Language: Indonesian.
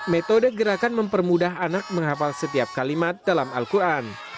metode gerakan mempermudah anak menghafal setiap kalimat dalam al quran